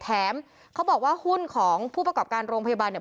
แถมเขาบอกว่าหุ้นของผู้ประกอบการโรงพยาบาลเนี่ย